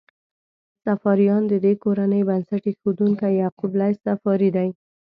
صفاریان: د دې کورنۍ بنسټ ایښودونکی یعقوب لیث صفاري دی.